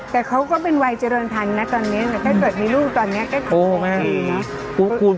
แต่เขาก็เป็นวัยเจริญพันธุ์นะตอนนี้ถ้าเกิดมีลูกตอนนี้ก็ทำดีนะ